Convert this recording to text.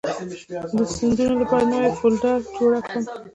د سندونو لپاره نوې فولډر جوړه کړم.